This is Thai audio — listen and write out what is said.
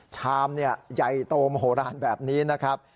ชามใหญ่โตมโหลานแบบนี้นะครับ